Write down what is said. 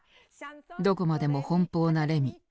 どこまでも奔放なレミ。